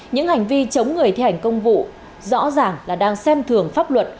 những hành vi chống người thi hành công vụ rõ ràng là đang xem thường pháp luật